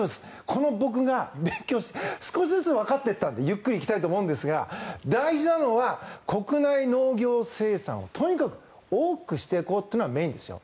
この僕が勉強して少しずつわかっていったのでゆっくりやっていきますが大事なのは国内農業生産をとにかく多くしていこうというのがメインですよ。